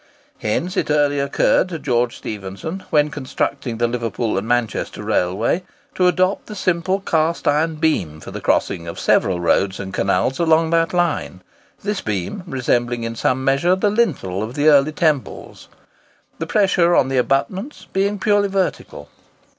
Hence it early occurred to George Stephenson, when constructing the Liverpool and Manchester Railway, to adopt the simple cast iron beam for the crossing of several roads and canals along that line—this beam resembling in some measure the lintel of the early temples—the pressure on the abutments being purely vertical.